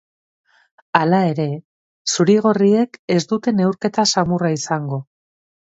Hala ere, zuri-gorriek ez dute neurketa samurra izango.